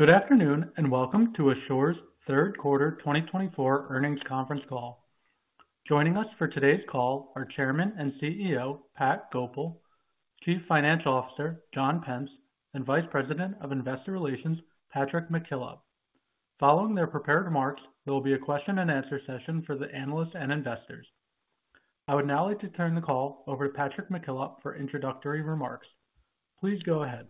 Good afternoon and welcome to Asure's third quarter 2024 earnings conference call. Joining us for today's call are Chairman and CEO, Patrick Goepel, Chief Financial Officer, John Pence, and Vice President of Investor Relations, Patrick McKillop. Following their prepared remarks, there will be a question-and-answer session for the analysts and investors. I would now like to turn the call over to Patrick McKillop for introductory remarks. Please go ahead.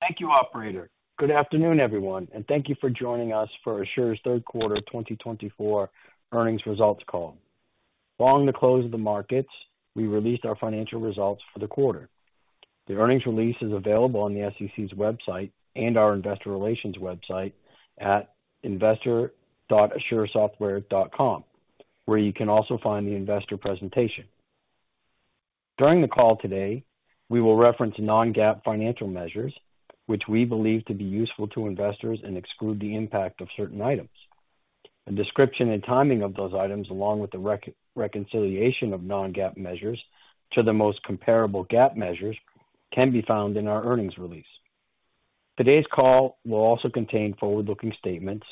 Thank you, Operator. Good afternoon, everyone, and thank you for joining us for Asure's third quarter 2024 earnings results call. Following the close of the markets, we released our financial results for the quarter. The earnings release is available on the SEC's website and our investor relations website at investor.asuresoftware.com, where you can also find the investor presentation. During the call today, we will reference non-GAAP financial measures, which we believe to be useful to investors and exclude the impact of certain items. A description and timing of those items, along with the reconciliation of non-GAAP measures to the most comparable GAAP measures, can be found in our earnings release. Today's call will also contain forward-looking statements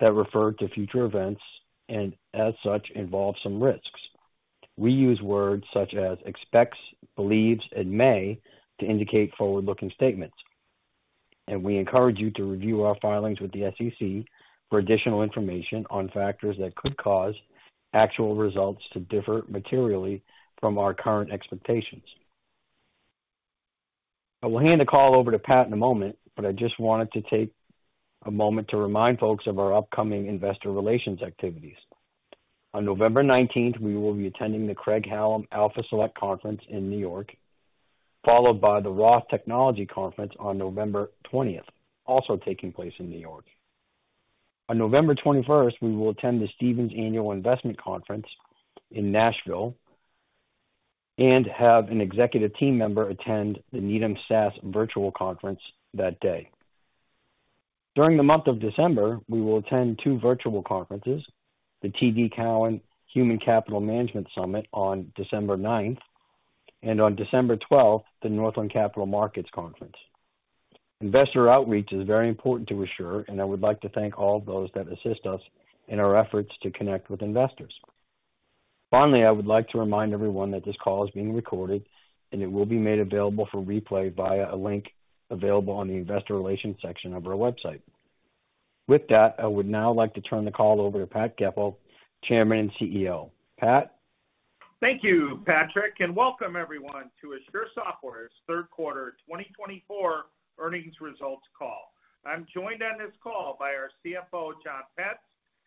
that refer to future events and, as such, involve some risks. We use words such as expects, believes, and may to indicate forward-looking statements, and we encourage you to review our filings with the SEC for additional information on factors that could cause actual results to differ materially from our current expectations. I will hand the call over to Pat in a moment, but I just wanted to take a moment to remind folks of our upcoming investor relations activities. On November 19th, we will be attending the Craig-Hallum Alpha Select Conference in New York, followed by the Roth Technology Conference on November 20th, also taking place in New York. On November 21st, we will attend the Stephens Annual Investment Conference in Nashville and have an executive team member attend the Needham SaaS virtual conference that day. During the month of December, we will attend two virtual conferences: The TD Cowen Human Capital Management Summit on December 9th and, on December 12th, the Northland Capital Markets Conference. Investor outreach is very important to Asure, and I would like to thank all of those that assist us in our efforts to connect with investors. Finally, I would like to remind everyone that this call is being recorded and it will be made available for replay via a link available on the investor relations section of our website. With that, I would now like to turn the call over to Pat Goepel, Chairman and CEO. Pat? Thank you, Patrick, and welcome everyone to Asure Software's third quarter 2024 earnings results call. I'm joined on this call by our CFO, John Pence,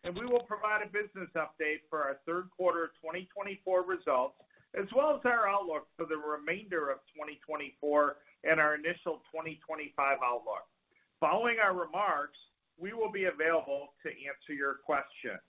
and we will provide a business update for our third quarter 2024 results, as well as our outlook for the remainder of 2024 and our initial 2025 outlook. Following our remarks, we will be available to answer your questions.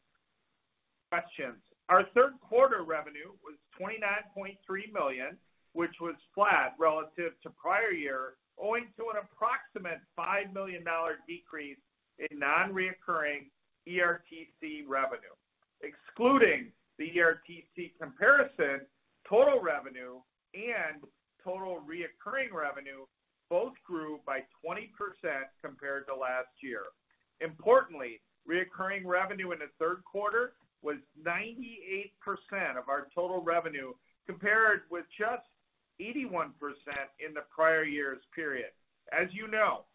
Our third quarter revenue was $29.3 million, which was flat relative to prior year, owing to an approximate $5 million decrease in non-recurring ERTC revenue. Excluding the ERTC comparison, total revenue and total recurring revenue both grew by 20% compared to last year. Importantly, recurring revenue in the third quarter was 98% of our total revenue compared with just 81% in the prior year's period. As you know,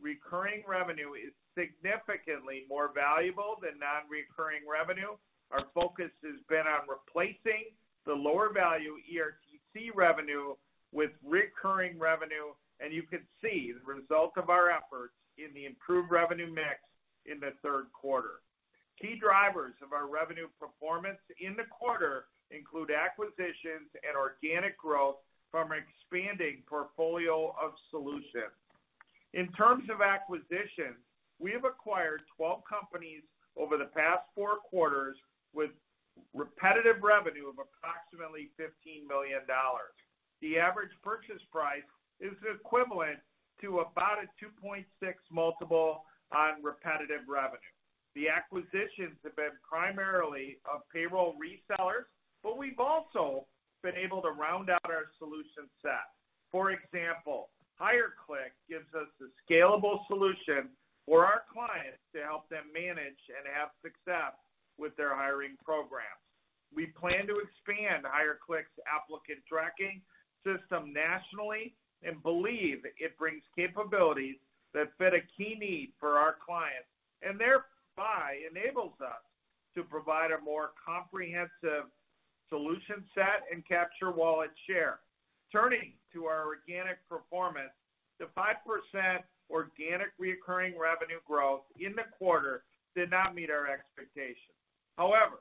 recurring revenue is significantly more valuable than non-recurring revenue. Our focus has been on replacing the lower value ERTC revenue with recurring revenue, and you can see the result of our efforts in the improved revenue mix in the third quarter. Key drivers of our revenue performance in the quarter include acquisitions and organic growth from our expanding portfolio of solutions. In terms of acquisitions, we have acquired 12 companies over the past four quarters with recurring revenue of approximately $15 million. The average purchase price is equivalent to about a 2.6 multiple on recurring revenue. The acquisitions have been primarily of payroll resellers, but we've also been able to round out our solution set. For example, HireClick gives us a scalable solution for our clients to help them manage and have success with their hiring programs. We plan to expand HireClick's applicant tracking system nationally and believe it brings capabilities that fit a key need for our clients and thereby enables us to provide a more comprehensive solution set and capture wallet share. Turning to our organic performance, the 5% organic recurring revenue growth in the quarter did not meet our expectations. However,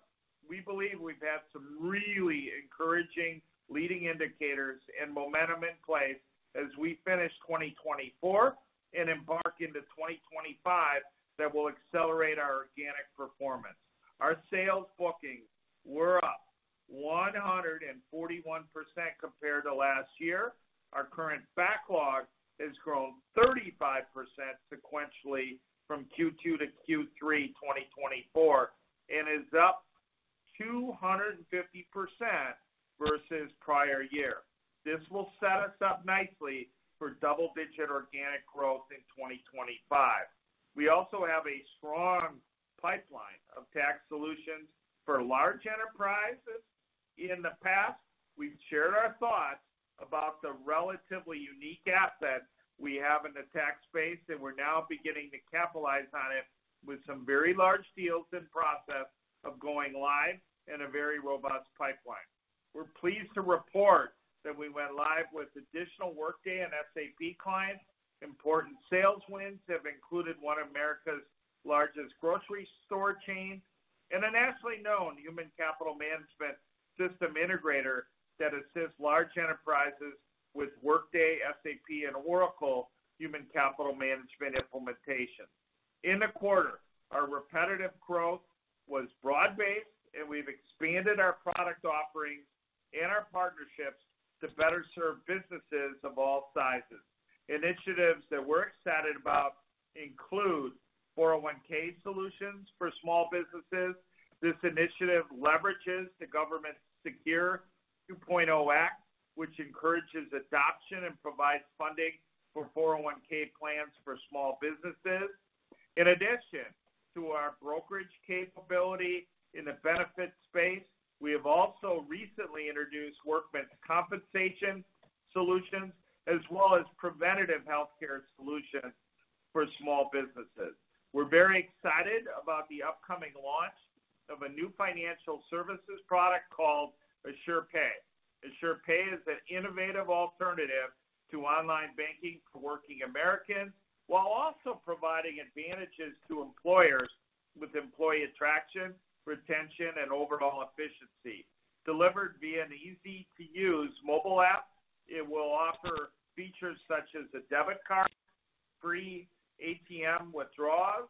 we believe we've had some really encouraging leading indicators and momentum in place as we finish 2024 and embark into 2025 that will accelerate our organic performance. Our sales bookings were up 141% compared to last year. Our current backlog has grown 35% sequentially from Q2 to Q3 2024 and is up 250% versus prior year. This will set us up nicely for double-digit organic growth in 2025. We also have a strong pipeline of tax solutions for large enterprises. In the past, we've shared our thoughts about the relatively unique asset we have in the tax space, and we're now beginning to capitalize on it with some very large deals in process of going live in a very robust pipeline. We're pleased to report that we went live with additional Workday and SAP clients. Important sales wins have included one of America's largest grocery store chains and a nationally known human capital management system integrator that assists large enterprises with Workday, SAP, and Oracle human capital management implementation. In the quarter, our recurring growth was broad-based, and we've expanded our product offerings and our partnerships to better serve businesses of all sizes. Initiatives that we're excited about include 401(k) solutions for small businesses. This initiative leverages the SECURE 2.0 Act, which encourages adoption and provides funding for 401(k) plans for small businesses. In addition to our brokerage capability in the benefits space, we have also recently introduced workers' compensation solutions as well as preventative healthcare solutions for small businesses. We're very excited about the upcoming launch of a new financial services product called AsurePay. AsurePay is an innovative alternative to online banking for working Americans while also providing advantages to employers with employee attraction, retention, and overall efficiency. Delivered via an easy-to-use mobile app, it will offer features such as a debit card, free ATM withdrawals,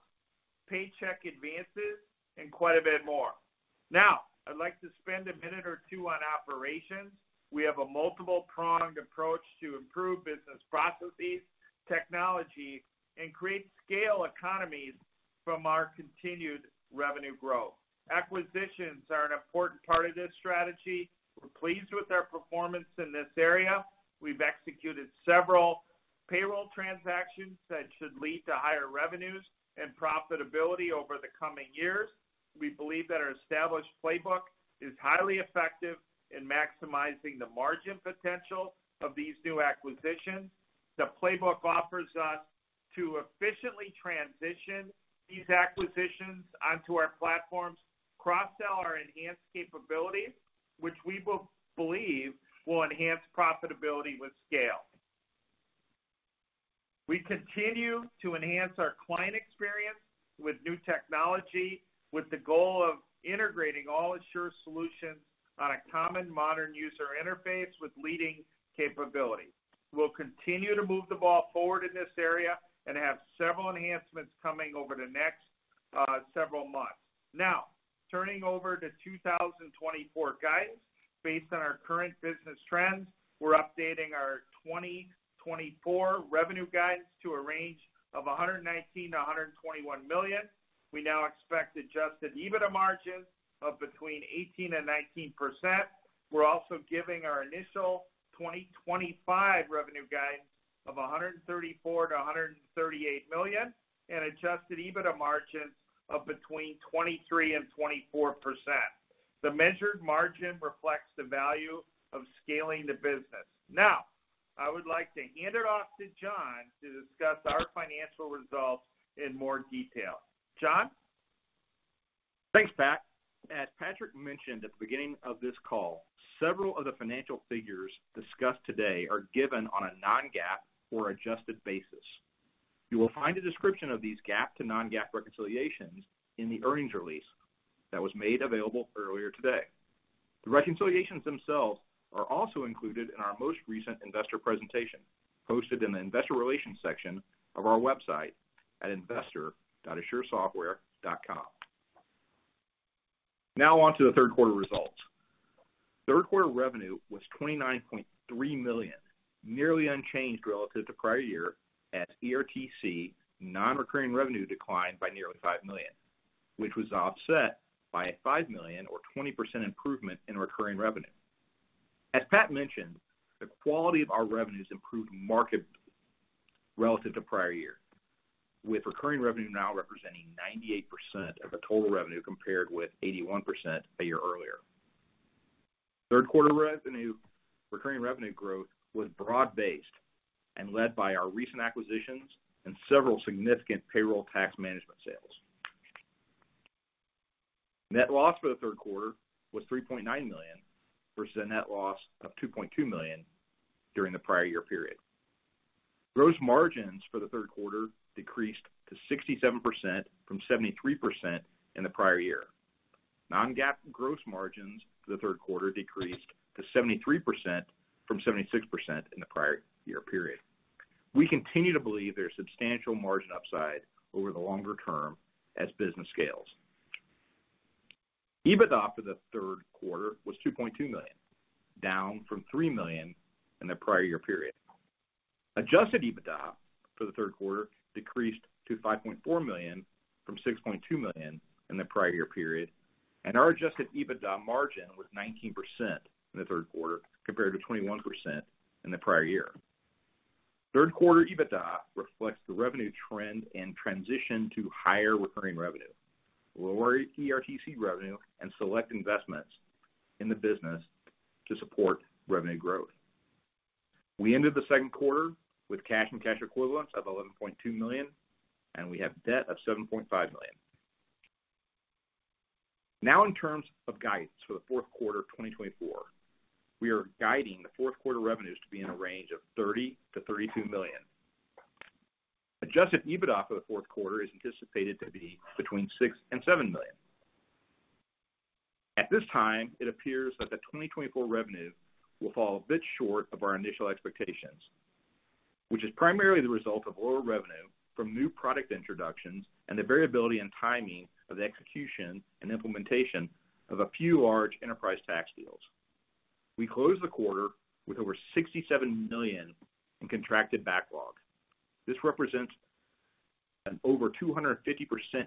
paycheck advances, and quite a bit more. Now, I'd like to spend a minute or two on operations. We have a multiple-pronged approach to improve business processes, technology, and create scale economies from our continued revenue growth. Acquisitions are an important part of this strategy. We're pleased with our performance in this area. We've executed several payroll transactions that should lead to higher revenues and profitability over the coming years. We believe that our established playbook is highly effective in maximizing the margin potential of these new acquisitions. The playbook offers us to efficiently transition these acquisitions onto our platforms, cross-sell our enhanced capabilities, which we believe will enhance profitability with scale. We continue to enhance our client experience with new technology with the goal of integrating all Asure solutions on a common modern user interface with leading capability. We'll continue to move the ball forward in this area and have several enhancements coming over the next several months. Now, turning over to 2024 guidance, based on our current business trends, we're updating our 2024 revenue guidance to a range of $119-$121 million. We now expect Adjusted EBITDA margins of between 18% and 19%. We're also giving our initial 2025 revenue guidance of $134-$138 million and Adjusted EBITDA margins of between 23% and 24%. The measured margin reflects the value of scaling the business. Now, I would like to hand it off to John to discuss our financial results in more detail. John? Thanks, Pat. As Patrick mentioned at the beginning of this call, several of the financial figures discussed today are given on a non-GAAP or adjusted basis. You will find a description of these GAAP to non-GAAP reconciliations in the earnings release that was made available earlier today. The reconciliations themselves are also included in our most recent investor presentation posted in the investor relations section of our website at investor.asuresoftware.com. Now on to the third quarter results. Third quarter revenue was $29.3 million, nearly unchanged relative to prior year as ERTC non-recurring revenue declined by nearly $5 million, which was offset by a $5 million or 20% improvement in recurring revenue. As Pat mentioned, the quality of our revenues improved markedly relative to prior year, with recurring revenue now representing 98% of the total revenue compared with 81% a year earlier. Third quarter recurring revenue growth was broad-based and led by our recent acquisitions and several significant payroll tax management sales. Net loss for the third quarter was $3.9 million versus a net loss of $2.2 million during the prior year period. Gross margins for the third quarter decreased to 67% from 73% in the prior year. Non-GAAP gross margins for the third quarter decreased to 73% from 76% in the prior year period. We continue to believe there's substantial margin upside over the longer term as business scales. EBITDA for the third quarter was $2.2 million, down from $3 million in the prior year period. Adjusted EBITDA for the third quarter decreased to $5.4 million from $6.2 million in the prior year period, and our adjusted EBITDA margin was 19% in the third quarter compared to 21% in the prior year. Third quarter EBITDA reflects the revenue trend and transition to higher recurring revenue, lower ERTC revenue, and select investments in the business to support revenue growth. We ended the second quarter with cash and cash equivalents of $11.2 million, and we have debt of $7.5 million. Now, in terms of guidance for the fourth quarter of 2024, we are guiding the fourth quarter revenues to be in a range of $30-$32 million. Adjusted EBITDA for the fourth quarter is anticipated to be between $6 and $7 million. At this time, it appears that the 2024 revenue will fall a bit short of our initial expectations, which is primarily the result of lower revenue from new product introductions and the variability in timing of the execution and implementation of a few large enterprise tax deals. We closed the quarter with over $67 million in contracted backlog. This represents an over 250%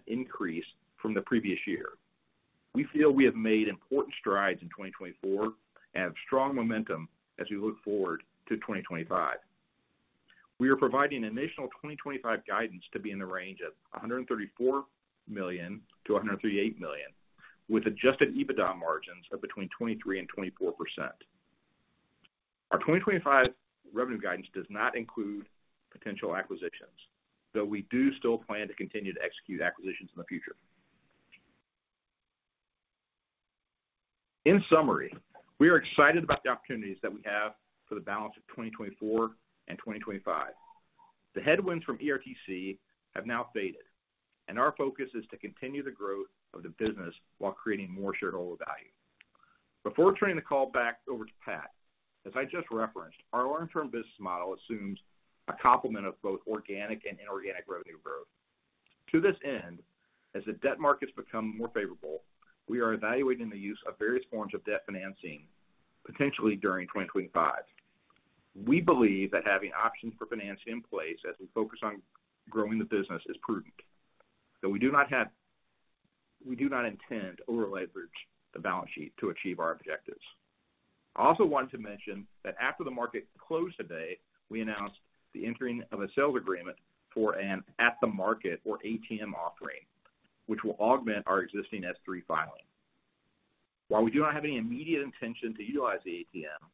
increase from the previous year. We feel we have made important strides in 2024 and have strong momentum as we look forward to 2025. We are providing additional 2025 guidance to be in the range of $134 million-$138 million, with Adjusted EBITDA margins of between 23% and 24%. Our 2025 revenue guidance does not include potential acquisitions, though we do still plan to continue to execute acquisitions in the future. In summary, we are excited about the opportunities that we have for the balance of 2024 and 2025. The headwinds from ERTC have now faded, and our focus is to continue the growth of the business while creating more shareholder value. Before turning the call back over to Pat, as I just referenced, our long-term business model assumes a complement of both organic and inorganic revenue growth. To this end, as the debt markets become more favorable, we are evaluating the use of various forms of debt financing potentially during 2025. We believe that having options for financing in place as we focus on growing the business is prudent, though we do not intend to over-leverage the balance sheet to achieve our objectives. I also wanted to mention that after the market closed today, we announced the entering of a sales agreement for an at-the-market (ATM) offering, which will augment our existing S-3 filing. While we do not have any immediate intention to utilize the ATM,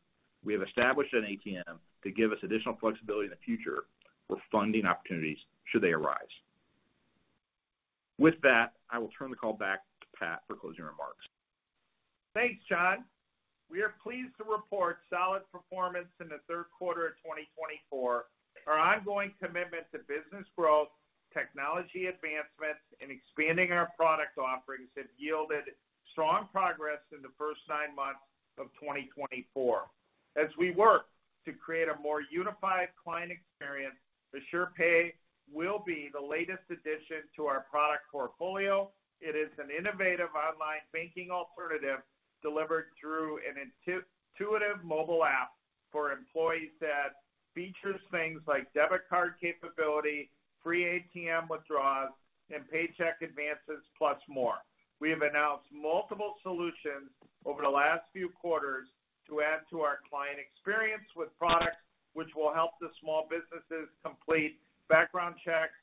we have established an ATM to give us additional flexibility in the future for funding opportunities should they arise. With that, I will turn the call back to Pat for closing remarks. Thanks, John. We are pleased to report solid performance in the third quarter of 2024. Our ongoing commitment to business growth, technology advancements, and expanding our product offerings have yielded strong progress in the first nine months of 2024. As we work to create a more unified client experience, AsurePay will be the latest addition to our product portfolio. It is an innovative online banking alternative delivered through an intuitive mobile app for employees that features things like debit card capability, free ATM withdrawals, and paycheck advances, plus more. We have announced multiple solutions over the last few quarters to add to our client experience with products, which will help the small businesses complete background checks,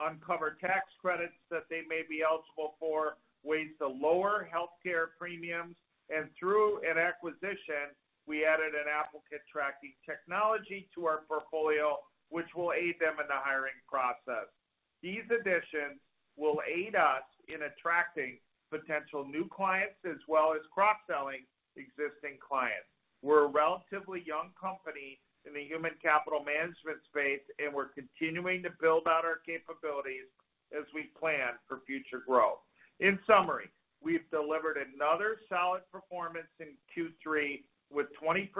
uncover tax credits that they may be eligible for, ways to lower healthcare premiums, and through an acquisition, we added an applicant tracking technology to our portfolio, which will aid them in the hiring process. These additions will aid us in attracting potential new clients as well as cross-selling existing clients. We're a relatively young company in the human capital management space, and we're continuing to build out our capabilities as we plan for future growth. In summary, we've delivered another solid performance in Q3 with 20%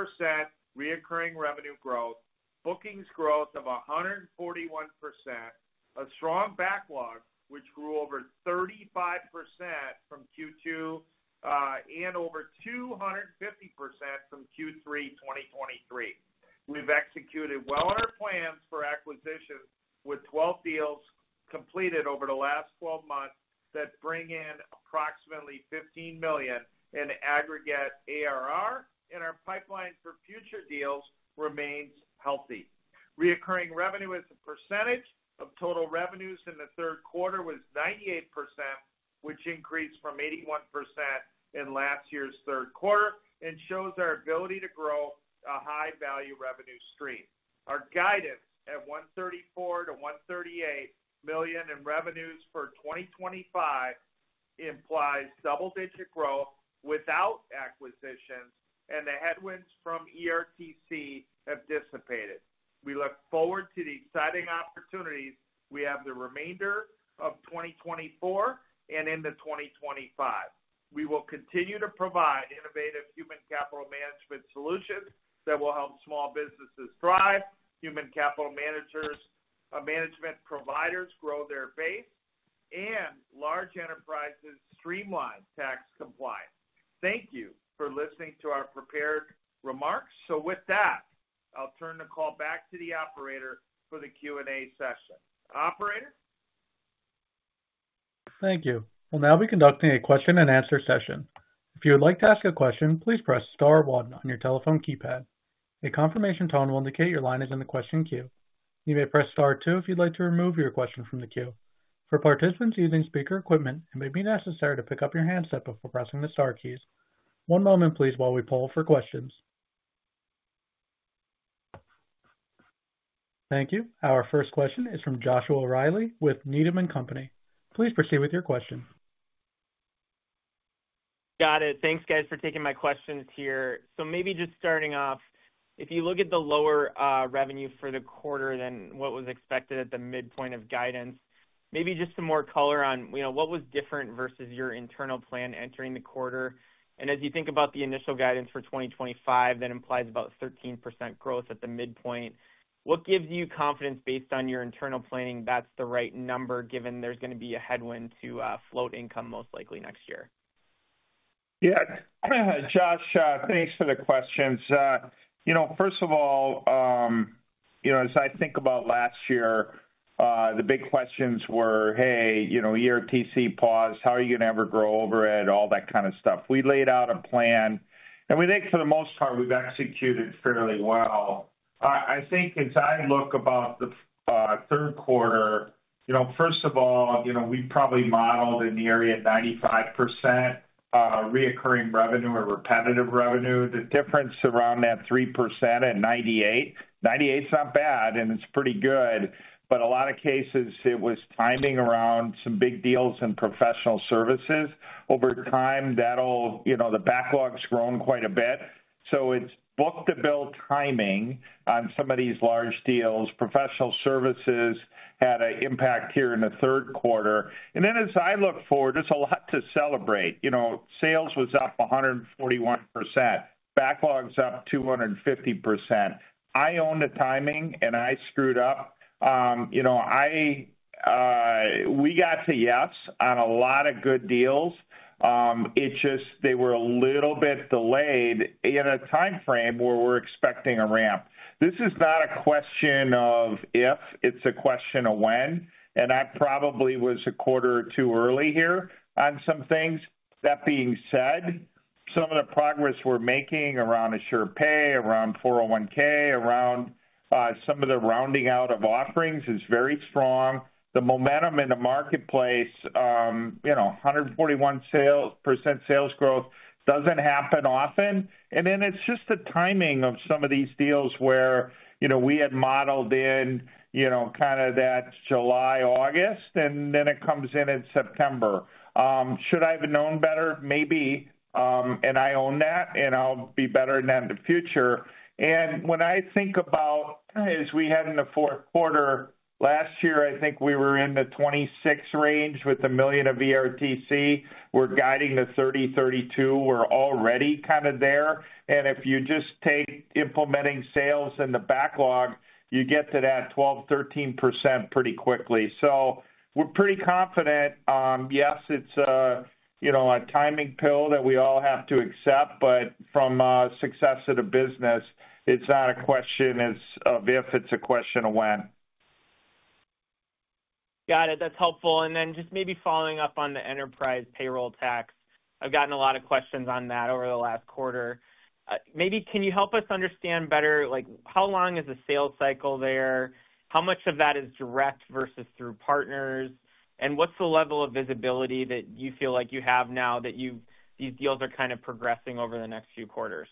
recurring revenue growth, bookings growth of 141%, a strong backlog, which grew over 35% from Q2 and over 250% from Q3 2023. We've executed well on our plans for acquisitions with 12 deals completed over the last 12 months that bring in approximately $15 million in aggregate ARR, and our pipeline for future deals remains healthy. Recurring revenue as a percentage of total revenues in the third quarter was 98%, which increased from 81% in last year's third quarter and shows our ability to grow a high-value revenue stream. Our guidance at $134-$138 million in revenues for 2025 implies double-digit growth without acquisitions, and the headwinds from ERTC have dissipated. We look forward to the exciting opportunities we have the remainder of 2024 and into 2025. We will continue to provide innovative human capital management solutions that will help small businesses thrive, human capital management providers grow their base, and large enterprises streamline tax compliance. Thank you for listening to our prepared remarks. With that, I'll turn the call back to the operator for the Q&A session. Operator? Thank you. We'll now be conducting a question-and-answer session. If you would like to ask a question, please press star one on your telephone keypad. A confirmation tone will indicate your line is in the question queue. You may press star two if you'd like to remove your question from the queue. For participants using speaker equipment, it may be necessary to pick up your handset before pressing the Star keys. One moment, please, while we poll for questions. Thank you. Our first question is from Joshua Riley with Needham & Company. Please proceed with your question. Got it. Thanks, guys, for taking my questions here. So maybe just starting off, if you look at the lower revenue for the quarter than what was expected at the midpoint of guidance, maybe just some more color on what was different versus your internal plan entering the quarter. And as you think about the initial guidance for 2025, that implies about 13% growth at the midpoint. What gives you confidence based on your internal planning that's the right number, given there's going to be a headwind to float income most likely next year? Yeah. Josh, thanks for the questions. First of all, as I think about last year, the big questions were, "Hey, ERTC paused. How are you going to ever grow over it?" All that kind of stuff. We laid out a plan, and we think for the most part, we've executed fairly well. I think as I look about the third quarter, first of all, we probably modeled an ARR of 95% recurring revenue or repetitive revenue. The difference around that 3% at 98%, 98's not bad, and it's pretty good. But a lot of cases, it was timing around some big deals and professional services. Over time, the backlog's grown quite a bit. So it's book-to-bill timing on some of these large deals. Professional services had an impact here in the third quarter. And then as I look forward, there's a lot to celebrate. Sales was up 141%. Backlog's up 250%. I own the timing, and I screwed up. We got to yes on a lot of good deals. It's just they were a little bit delayed in a timeframe where we're expecting a ramp. This is not a question of if. It's a question of when, and I probably was a quarter or two early here on some things. That being said, some of the progress we're making around AsurePay, around 401(k), around some of the rounding out of offerings is very strong. The momentum in the marketplace, 141% sales growth doesn't happen often, and then it's just the timing of some of these deals where we had modeled in kind of that July, August, and then it comes in in September. Should I have known better? Maybe, and I own that, and I'll be better in that in the future. When I think about, as we had in the fourth quarter last year, I think we were in the 26 range with $1 million of ERTC. We're guiding to 30-32. We're already kind of there. And if you just take incremental sales and the backlog, you get to that 12%-13% pretty quickly. So we're pretty confident. Yes, it's a bitter pill that we all have to accept, but for success of the business, it's not a question of if. It's a question of when. Got it. That's helpful. And then just maybe following up on the enterprise payroll tax. I've gotten a lot of questions on that over the last quarter. Maybe can you help us understand better how long is the sales cycle there, how much of that is direct versus through partners, and what's the level of visibility that you feel like you have now that these deals are kind of progressing over the next few quarters?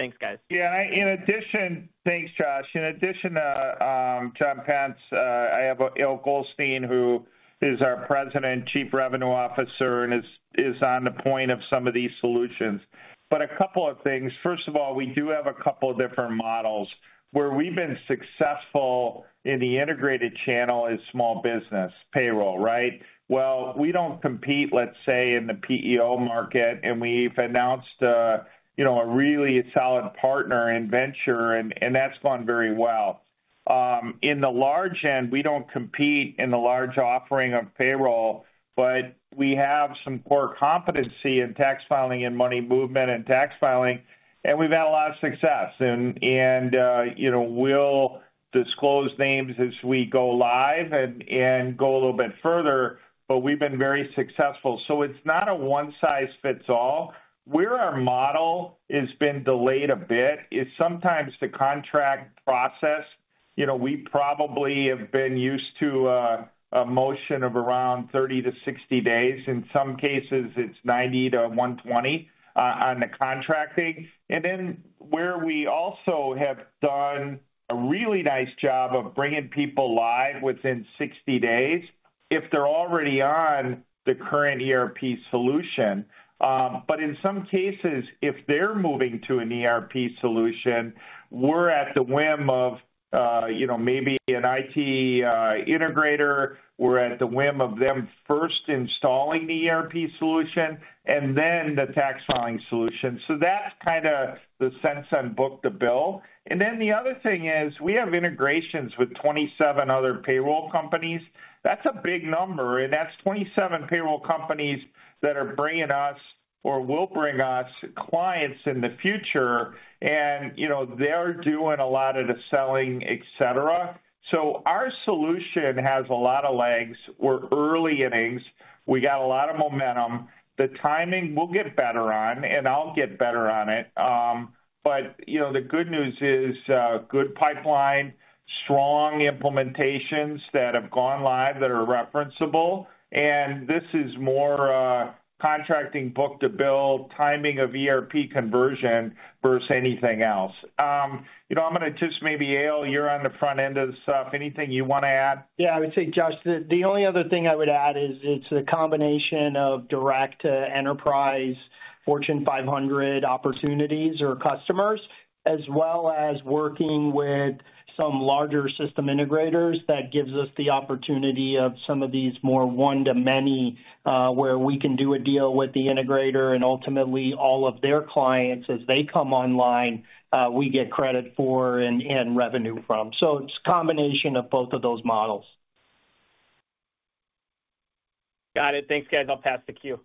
Thanks, guys. Yeah. In addition, thanks, Josh. In addition, John Pence, I have Eyal Goldstein, who is our President, Chief Revenue Officer, and is on point for some of these solutions. But a couple of things. First of all, we do have a couple of different models. Where we've been successful in the integrated channel is small business payroll, right? Well, we don't compete, let's say, in the PEO market, and we've announced a really solid partner in Vensure, and that's gone very well. In the large end, we don't compete in the large offering of payroll, but we have some core competency in tax filing and money movement and tax filing, and we've had a lot of success. And we'll disclose names as we go live and go a little bit further, but we've been very successful. So it's not a one-size-fits-all. Where our model has been delayed a bit is sometimes the contract process. We probably have been used to a motion of around 30-60 days. In some cases, it's 90-120 on the contracting, and then where we also have done a really nice job of bringing people live within 60 days if they're already on the current ERP solution, but in some cases, if they're moving to an ERP solution, we're at the whim of maybe an IT integrator. We're at the whim of them first installing the ERP solution and then the tax filing solution, so that's kind of the sense on book-to-bill, and then the other thing is we have integrations with 27 other payroll companies. That's a big number, and that's 27 payroll companies that are bringing us or will bring us clients in the future, and they're doing a lot of the selling, etc. So our solution has a lot of legs. We're early innings. We got a lot of momentum. The timing, we'll get better on, and I'll get better on it. But the good news is good pipeline, strong implementations that have gone live that are referenceable. And this is more contracting book-to-bill, timing of ERP conversion versus anything else. I'm going to just maybe, Eyal, you're on the front end of the stuff. Anything you want to add? Yeah. I would say, Josh, the only other thing I would add is it's a combination of direct to enterprise, Fortune 500 opportunities or customers, as well as working with some larger system integrators that gives us the opportunity of some of these more one-to-many where we can do a deal with the integrator and ultimately all of their clients. As they come online, we get credit for and revenue from. So it's a combination of both of those models. Got it. Thanks, guys. I'll pass the queue.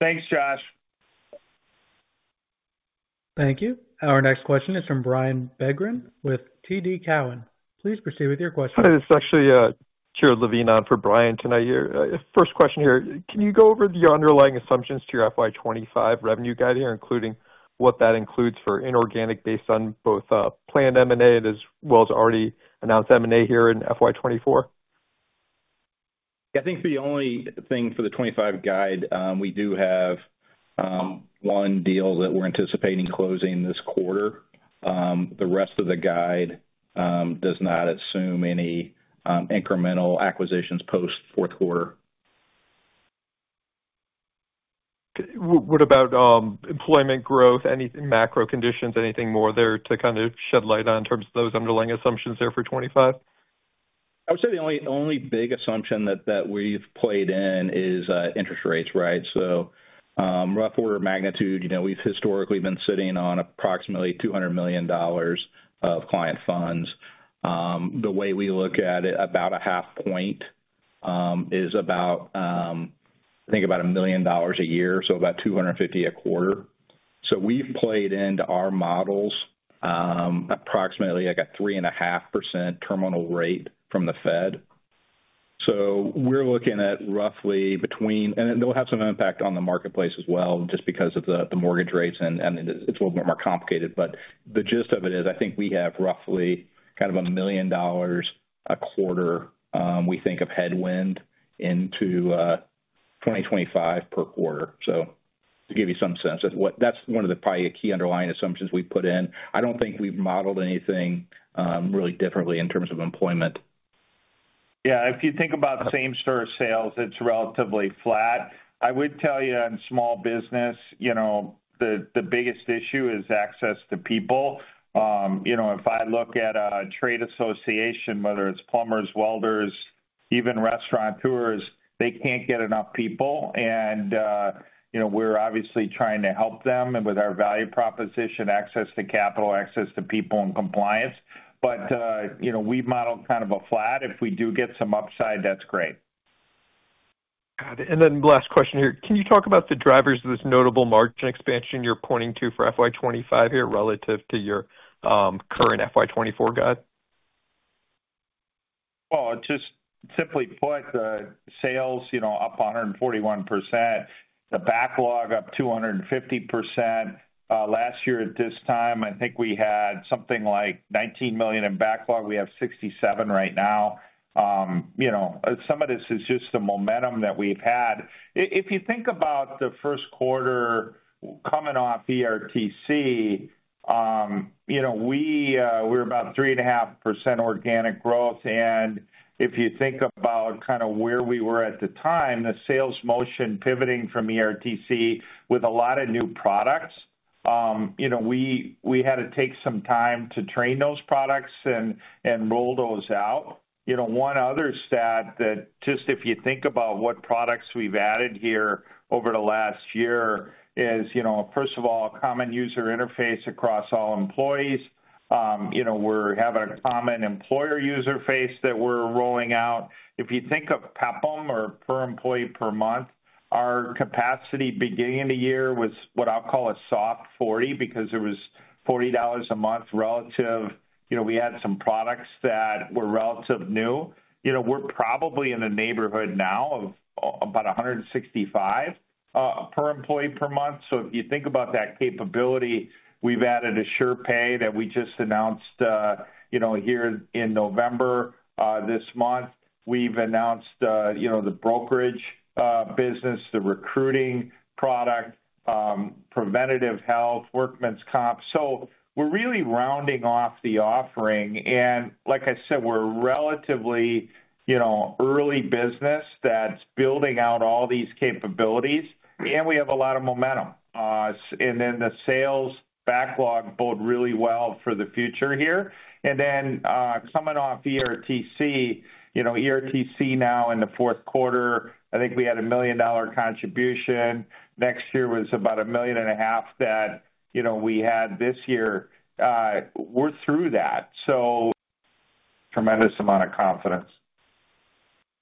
Thanks, Josh. Thank you. Our next question is from Brian Bergin with TD Cowen. Please proceed with your question. Hi. This is actually Jared levine on for Brian tonight here. First question here. Can you go over the underlying assumptions to your FY25 revenue guide here, including what that includes for inorganic based on both planned M&A as well as already announced M&A here in FY24? Yeah. I think the only thing for the 2025 guide, we do have one deal that we're anticipating closing this quarter. The rest of the guide does not assume any incremental acquisitions post fourth quarter. What about employment growth? Any macro conditions, anything more there to kind of shed light on in terms of those underlying assumptions there for 2025? I would say the only big assumption that we've played in is interest rates, right? So rough order of magnitude, we've historically been sitting on approximately $200 million of client funds. The way we look at it, about a half point is about, I think, about a million dollars a year, so about $250,000 a quarter. So we've played into our models approximately like a 3.5% terminal rate from the Fed. So we're looking at roughly between—and it'll have some impact on the marketplace as well just because of the mortgage rates, and it's a little bit more complicated. But the gist of it is I think we have roughly kind of a million dollars a quarter, we think, of headwind into 2025 per quarter. So to give you some sense, that's one of the probably key underlying assumptions we've put in. I don't think we've modeled anything really differently in terms of employment. Yeah. If you think about same-store sales, it's relatively flat. I would tell you in small business, the biggest issue is access to people. If I look at a trade association, whether it's plumbers, welders, even restaurateurs, they can't get enough people. And we're obviously trying to help them with our value proposition, access to capital, access to people, and compliance. But we've modeled kind of a flat. If we do get some upside, that's great. Got it. And then last question here. Can you talk about the drivers of this notable margin expansion you're pointing to for FY25 here relative to your current FY24 guide? Just simply put, the sales up 141%, the backlog up 250%. Last year at this time, I think we had something like $19 million in backlog. We have $67 million right now. Some of this is just the momentum that we've had. If you think about the first quarter coming off ERTC, we were about 3.5% organic growth. And if you think about kind of where we were at the time, the sales motion pivoting from ERTC with a lot of new products, we had to take some time to train those products and roll those out. One other stat that just if you think about what products we've added here over the last year is, first of all, common user interface across all employees. We're having a common employer user base that we're rolling out. If you think of PEPM or per employee per month, our capacity beginning of the year was what I'll call a soft 40 because it was $40 a month relative. We had some products that were relatively new. We're probably in the neighborhood now of about 165 per employee per month. So if you think about that capability, we've added AsurePay that we just announced here in November this month. We've announced the brokerage business, the recruiting product, preventative health, Workers' Compensation. So we're really rounding off the offering. And like I said, we're relatively early business that's building out all these capabilities, and we have a lot of momentum. And then the sales backlog bode really well for the future here. And then coming off ERTC, ERTC now in the fourth quarter, I think we had a $1 million contribution. Next year was about $1.5 million that we had this year. We're through that. So tremendous amount of confidence.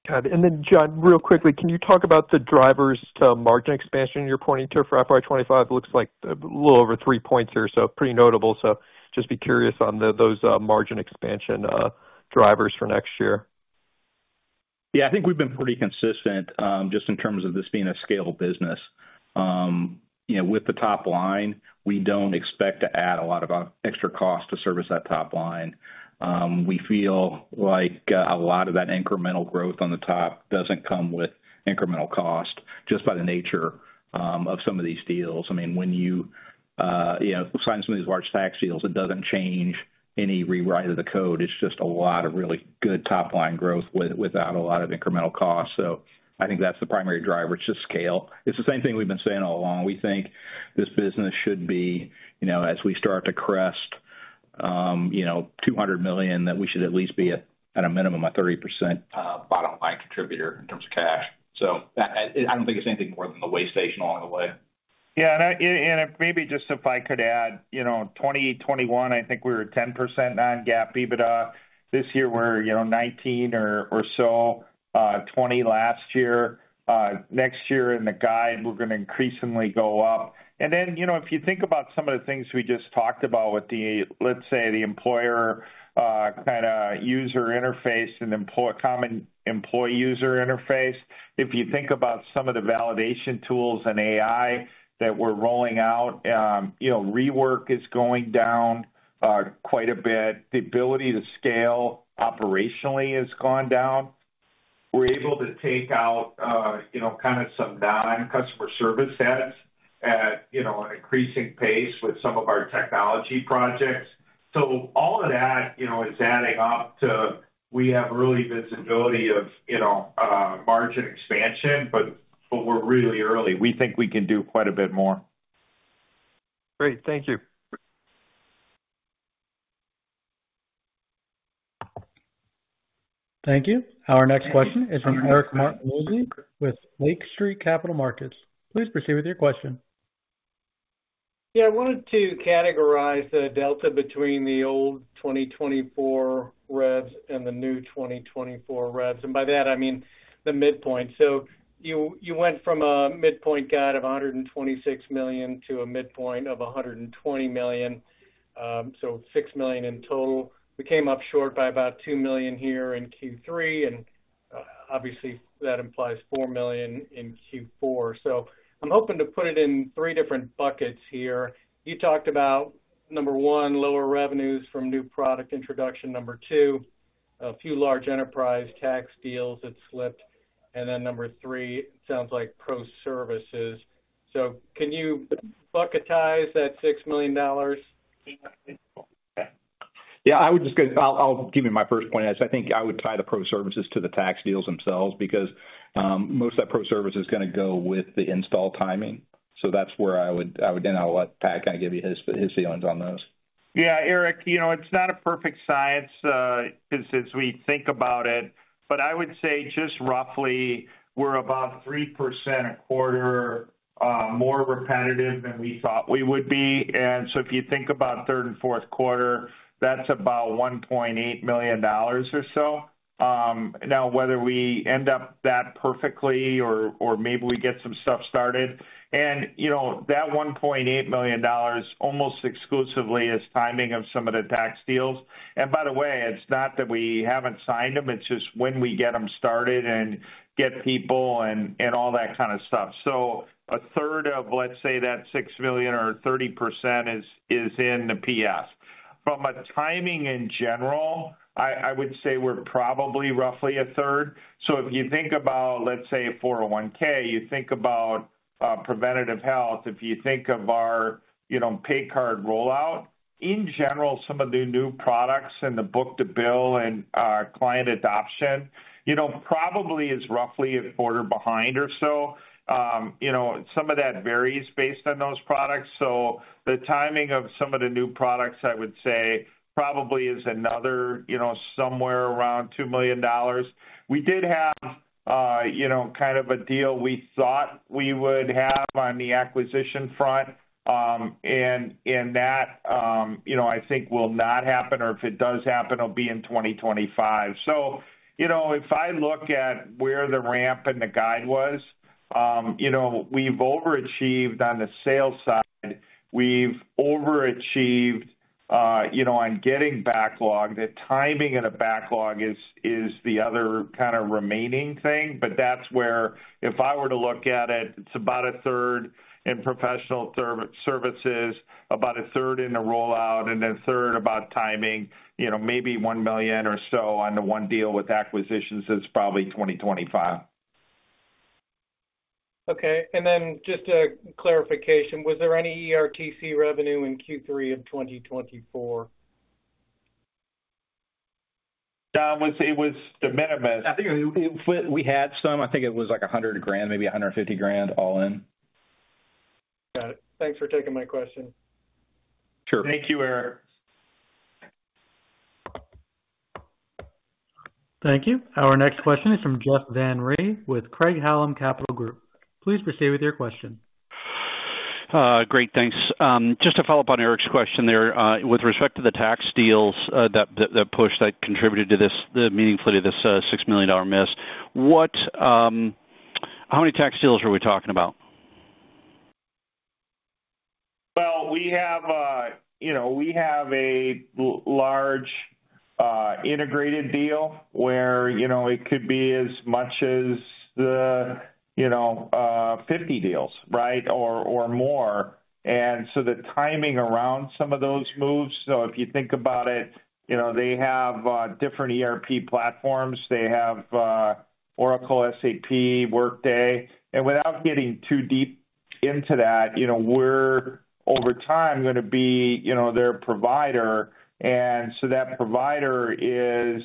Got it. And then, John, real quickly, can you talk about the drivers to margin expansion you're pointing to for FY25? Looks like a little over three points here, so pretty notable. So just be curious on those margin expansion drivers for next year. Yeah. I think we've been pretty consistent just in terms of this being a scalable business. With the top line, we don't expect to add a lot of extra cost to service that top line. We feel like a lot of that incremental growth on the top doesn't come with incremental cost just by the nature of some of these deals. I mean, when you sign some of these large tax deals, it doesn't change any rewrite of the code. It's just a lot of really good top-line growth without a lot of incremental costs. So I think that's the primary driver, is just scale. It's the same thing we've been saying all along. We think this business should be, as we start to crest $200 million, that we should at least be at a minimum of 30% bottom-line contributor in terms of cash. So I don't think it's anything more than the way station along the way. Yeah. And maybe just if I could add, 2021, I think we were 10% non-GAAP EBITDA. This year, we're 19% or so, 20% last year. Next year in the guide, we're going to increasingly go up. And then if you think about some of the things we just talked about with the, let's say, the employer kind of user interface and common employee user interface, if you think about some of the validation tools and AI that we're rolling out, rework is going down quite a bit. The ability to scale operationally has gone down. We're able to take out kind of some non-customer service heads at an increasing pace with some of our technology projects. So all of that is adding up to we have early visibility of margin expansion, but we're really early. We think we can do quite a bit more. Great. Thank you. Thank you. Our next question is from Eric Martinuzzi with Lake Street Capital Markets. Please proceed with your question. Yeah. I wanted to categorize the delta between the old 2024 revs and the new 2024 revs. And by that, I mean the midpoint. So you went from a midpoint guide of $126 million to a midpoint of $120 million, so $6 million in total. We came up short by about two million here in Q3, and obviously, that implies four million in Q4. So I'm hoping to put it in three different buckets here. You talked about, number one, lower revenues from new product introduction. Number two, a few large enterprise tax deals that slipped. And then number three, it sounds like pro services. So can you bucketize that $6 million? Yeah. I'll give you my first point. I think I would tie the pro services to the tax deals themselves because most of that pro service is going to go with the install timing. So that's where I would. And I'll let Pat kind of give you his feelings on those. Yeah. Eric, it's not a perfect science because as we think about it, but I would say just roughly we're about 3% a quarter more recurring than we thought we would be. And so if you think about third and fourth quarter, that's about $1.8 million or so. Now, whether we end up that perfectly or maybe we get some stuff started, and that $1.8 million almost exclusively is timing of some of the tax deals. And by the way, it's not that we haven't signed them. It's just when we get them started and get people and all that kind of stuff. So a third of, let's say, that $6 million or 30% is in the PS. From a timing in general, I would say we're probably roughly a third. So if you think about, let's say, 401(k), you think about preventative health, if you think of our pay card rollout, in general, some of the new products and the book-to-bill and client adoption probably is roughly a quarter behind or so. Some of that varies based on those products. The timing of some of the new products, I would say, probably is another somewhere around $2 million. We did have kind of a deal we thought we would have on the acquisition front, and that I think will not happen, or if it does happen, it'll be in 2025. If I look at where the ramp and the guide was, we've overachieved on the sales side. We've overachieved on getting backlogged. The timing of the backlog is the other kind of remaining thing. But that's where if I were to look at it, it's about a third in professional services, about a third in the rollout, and a third about timing, maybe $1 million or so on the one deal with acquisitions is probably 2025. Okay. And then just a clarification, was there any ERTC revenue in Q3 of 2024? It was de minimis. I think we had some. I think it was like $100,000, maybe $150,000 all in. Got it. Thanks for taking my question. Sure. Thank you, Eric. Thank you. Our next question is from Jeff Van Rhee with Craig-Hallum Capital Group. Please proceed with your question. Great. Thanks. Just to follow up on Eric's question there with respect to the tax deals that contributed meaningfully to this $6 million miss, how many tax deals are we talking about? Well, we have a large integrated deal where it could be as much as 50 deals, right, or more. And so the timing around some of those moves, so if you think about it, they have different ERP platforms. They have Oracle, SAP, Workday. And without getting too deep into that, we're over time going to be their provider. And so that provider is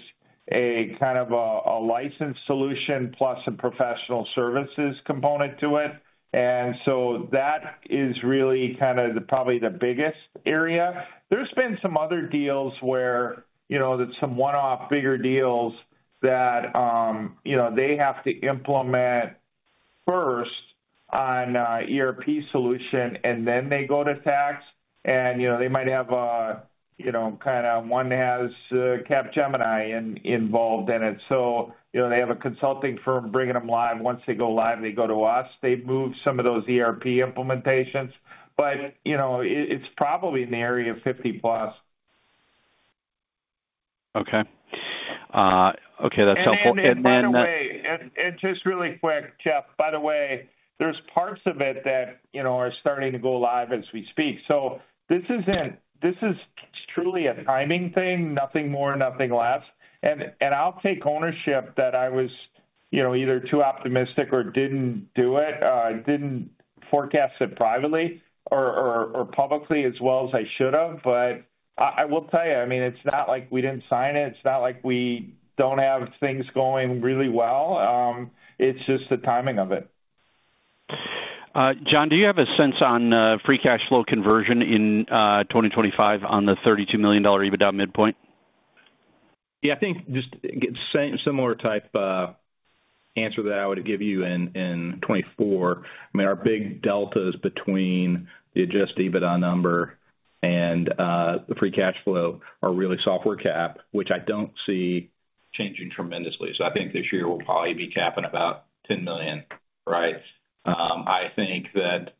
kind of a licensed solution plus a professional services component to it. And so that is really kind of probably the biggest area. There's been some other deals where it's some one-off bigger deals that they have to implement first on ERP solution, and then they go to tax. And they might have kind of one has Capgemini involved in it. So they have a consulting firm bringing them live. Once they go live, they go to us. They move some of those ERP implementations. It's probably in the area of 50-plus. Okay. Okay. That's helpful. And then. And by the way, and just really quick, Jeff, by the way, there's parts of it that are starting to go live as we speak. So this is truly a timing thing, nothing more, nothing less. And I'll take ownership that I was either too optimistic or didn't do it, didn't forecast it privately or publicly as well as I should have. But I will tell you, I mean, it's not like we didn't sign it. It's not like we don't have things going really well. It's just the timing of it. John, do you have a sense on free cash flow conversion in 2025 on the $32 million EBITDA midpoint? Yeah. I think just similar type answer that I would give you in 2024. I mean, our big deltas between the Adjusted EBITDA number and the free cash flow are really software cap, which I don't see changing tremendously. So I think this year we'll probably be capping about $10 million, right? I think that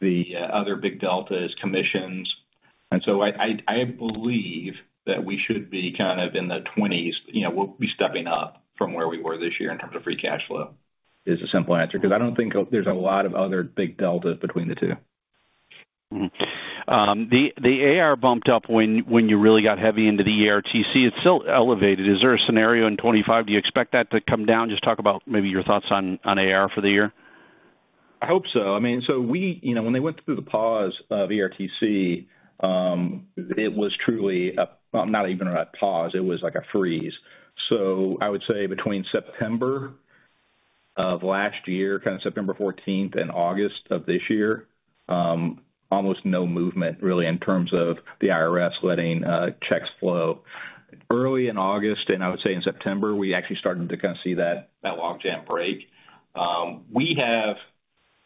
the other big delta is commissions. And so I believe that we should be kind of in the $20s. We'll be stepping up from where we were this year in terms of free cash flow. Is the simple answer because I don't think there's a lot of other big deltas between the two. The AR bumped up when you really got heavy into the ERTC. It's still elevated. Is there a scenario in 2025? Do you expect that to come down? Just talk about maybe your thoughts on AR for the year. I hope so. I mean, so when they went through the pause of ERTC, it was truly not even a pause. It was like a freeze. So I would say between September of last year, kind of September 14th and August of this year, almost no movement really in terms of the IRS letting checks flow. Early in August, and I would say in September, we actually started to kind of see that log jam break. We have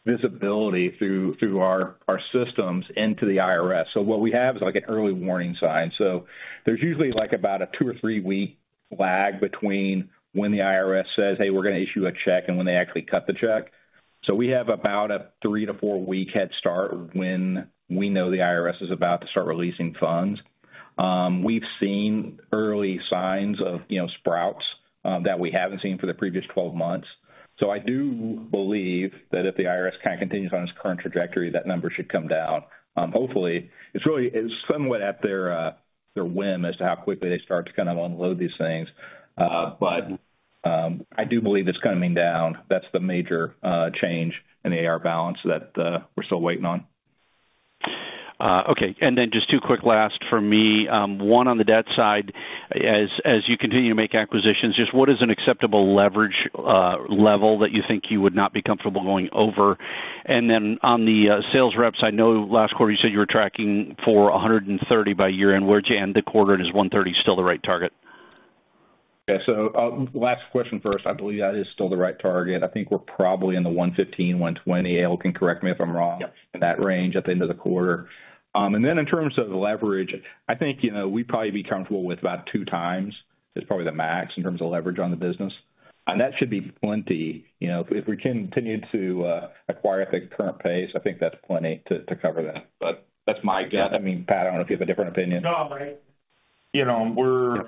visibility through our systems into the IRS. So what we have is like an early warning sign. So there's usually like about a two or three-week lag between when the IRS says, "Hey, we're going to issue a check," and when they actually cut the check. So we have about a three to four-week head start when we know the IRS is about to start releasing funds. We've seen early signs of sprouts that we haven't seen for the previous 12 months. So I do believe that if the IRS kind of continues on its current trajectory, that number should come down. Hopefully, it's somewhat at their whim as to how quickly they start to kind of unload these things. But I do believe it's coming down. That's the major change in the AR balance that we're still waiting on. Okay. And then just two quick last for me. One, on the debt side, as you continue to make acquisitions, just what is an acceptable leverage level that you think you would not be comfortable going over? And then on the sales reps, I know last quarter you said you were tracking for 130 by year. And where'd you end the quarter? And is 130 still the right target? Yeah. So last question first. I believe that is still the right target. I think we're probably in the 115-120. Eric can correct me if I'm wrong in that range at the end of the quarter. And then in terms of leverage, I think we'd probably be comfortable with about two times is probably the max in terms of leverage on the business. And that should be plenty. If we continue to acquire at the current pace, I think that's plenty to cover that. But that's my guess. I mean, Pat, I don't know if you have a different opinion. No, I mean, we're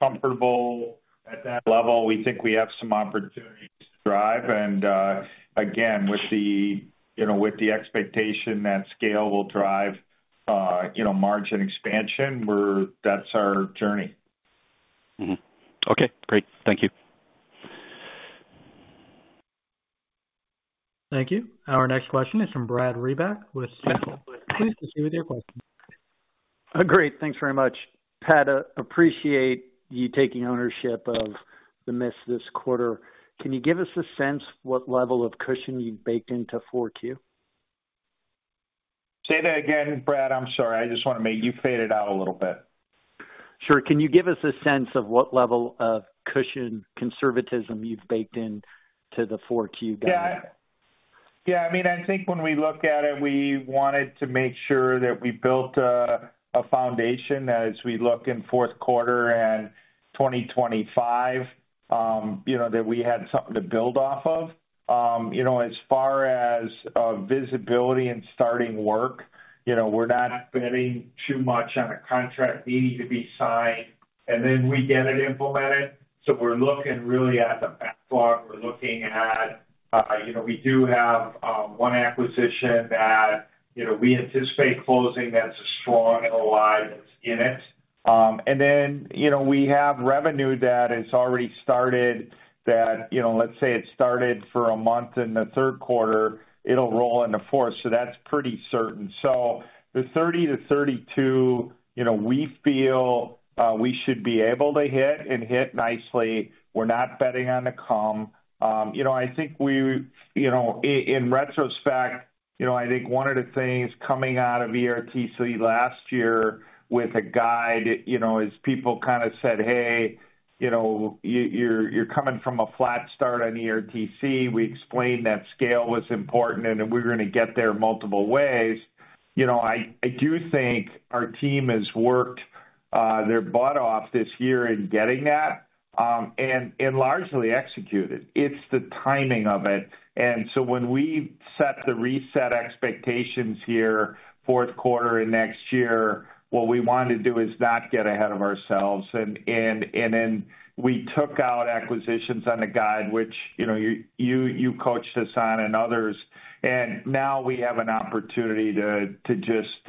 comfortable at that level. We think we have some opportunities to drive. And again, with the expectation that scale will drive margin expansion, that's our journey. Okay. Great. Thank you. Thank you. Our next question is from Brad Reback with Stifel. Please proceed with your question. Great. Thanks very much. Pat, appreciate you taking ownership of the miss this quarter. Can you give us a sense what level of cushion you've baked into 4Q? Say that again, Brad. I'm sorry. I just want to make you fade it out a little bit. Sure. Can you give us a sense of what level of cushion conservatism you've baked into the 4Q guide? Yeah. Yeah. I mean, I think when we look at it, we wanted to make sure that we built a foundation as we look in fourth quarter and 2025 that we had something to build off of. As far as visibility and starting work, we're not betting too much on a contract needing to be signed, and then we get it implemented. So we're looking really at the backlog. We're looking at we do have one acquisition that we anticipate closing that's a strong alliance in it. And then we have revenue that has already started that, let's say, it started for a month in the third quarter, it'll roll into fourth. So that's pretty certain. So the 30-32, we feel we should be able to hit and hit nicely. We're not betting on a comb. I think in retrospect, I think one of the things coming out of ERTC last year with a guide as people kind of said, "Hey, you're coming from a flat start on ERTC." We explained that scale was important, and we were going to get there multiple ways. I do think our team has worked their butt off this year in getting that and largely executed. It's the timing of it, and so when we set the reset expectations here fourth quarter and next year, what we want to do is not get ahead of ourselves, and then we took out acquisitions on the guide, which you coached us on and others, and now we have an opportunity to just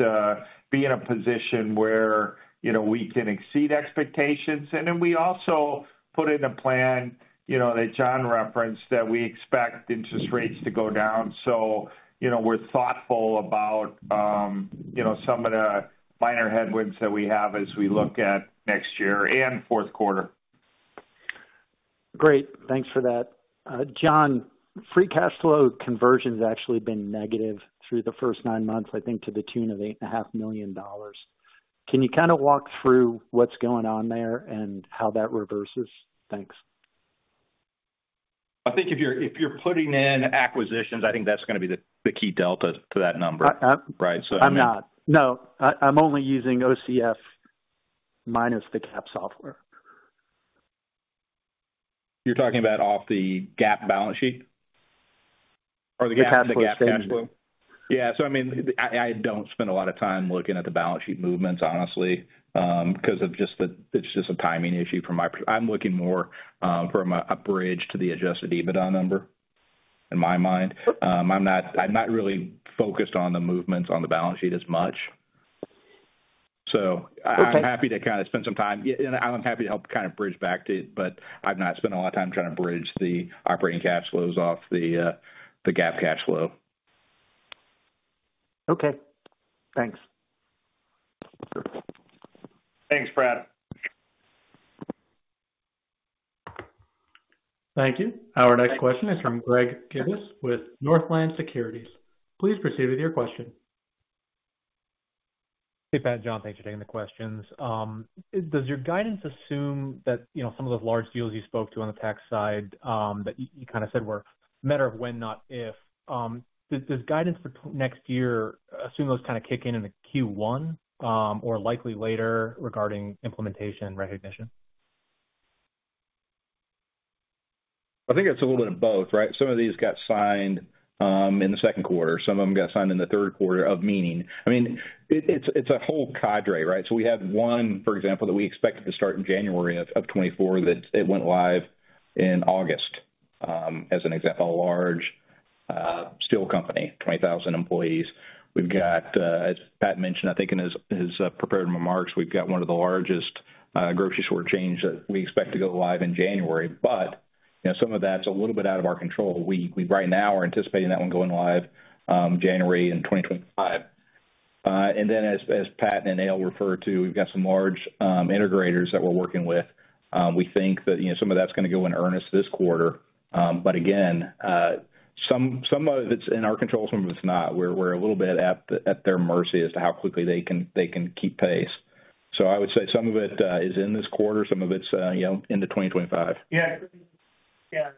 be in a position where we can exceed expectations, and then we also put in a plan that John referenced that we expect interest rates to go down. So we're thoughtful about some of the minor headwinds that we have as we look at next year and fourth quarter. Great. Thanks for that. John, free cash flow conversion has actually been negative through the first nine months, I think, to the tune of $8.5 million. Can you kind of walk through what's going on there and how that reverses? Thanks. I think if you're putting in acquisitions, I think that's going to be the key delta to that number, right? I'm not. No. I'm only using OCF minus the cap software. You're talking about off the GAAP balance sheet? Or the GAAP of the cash flow? Yeah. So I mean, I don't spend a lot of time looking at the balance sheet movements, honestly, because of just that it's just a timing issue from my perspective. I'm looking more from a bridge to the Adjusted EBITDA number in my mind. I'm not really focused on the movements on the balance sheet as much. So I'm happy to kind of spend some time. I'm happy to help kind of bridge back to it, but I've not spent a lot of time trying to bridge the operating cash flows off the GAAP cash flow. Okay. Thanks. Thanks, Brad. Thank you. Our next question is from Greg Gibbs with Northland Securities. Please proceed with your question. Hey, Pat, John. Thanks for taking the questions. Does your guidance assume that some of those large deals you spoke to on the tax side that you kind of said were a matter of when, not if, does guidance for next year assume those kind of kick in in Q1 or likely later regarding implementation recognition? I think it's a little bit of both, right? Some of these got signed in the second quarter. Some of them got signed in the third quarter, meaning. I mean, it's a whole cadre, right? So we had one, for example, that we expected to start in January 2024 that went live in August, as an example, a large steel company, 20,000 employees. We've got, as Pat mentioned, I think in his prepared remarks, we've got one of the largest grocery store chains that we expect to go live in January. But some of that's a little bit out of our control. We right now are anticipating that one going live in January 2025. And then, as Pat and Eyal referred to, we've got some large integrators that we're working with. We think that some of that's going to go in earnest this quarter. But again, some of it's in our control, some of it's not. We're a little bit at their mercy as to how quickly they can keep pace. So I would say some of it is in this quarter. Some of it's into 2025. Yeah. Yeah.